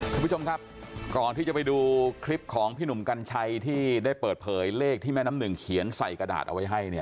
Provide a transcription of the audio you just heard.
คุณผู้ชมครับก่อนที่จะไปดูคลิปของพี่หนุ่มกัญชัยที่ได้เปิดเผยเลขที่แม่น้ำหนึ่งเขียนใส่กระดาษเอาไว้ให้เนี่ย